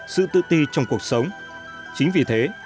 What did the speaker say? sự tự ti trong cuộc sống chính vì thế